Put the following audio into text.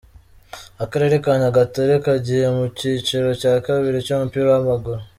Akarere ka Nyagatare kagiye mu cyiciro cya kabiri cy’umupira w’amaguru